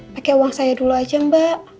pakai uang saya dulu aja mbak